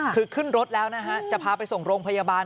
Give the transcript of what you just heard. คือขึ้นรถแล้วนะฮะจะพาไปส่งโรงพยาบาล